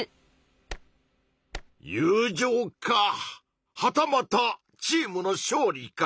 友情かはたまたチームの勝利か。